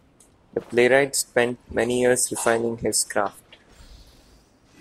The playwright spent many years refining his craft.